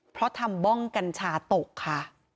เพราะทำบ้องกัญชาตกค่ะ